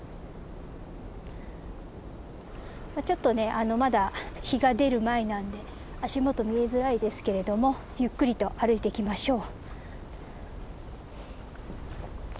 ちょっとねあのまだ日が出る前なんで足元見えづらいですけれどもゆっくりと歩いていきましょう。